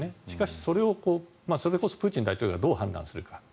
しかし、それこそプーチン大統領がどう判断するか。